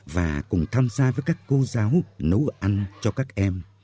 và cùng tham gia với các cô giáo nấu ăn cho các em